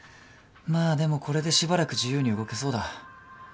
まあでもこれでしばらく自由に動けそうだ。